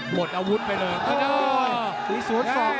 หมดอาวุธไปเลย